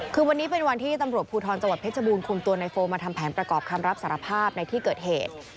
คือวันนี้เป็นวันที่ตำรวจภูทรจังหวัดเพชรบูรคุมตัวในโฟมาทำแผนประกอบคำรับสารภาพในที่เกิดเหตุ